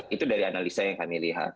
itu dari analisa yang kami lihat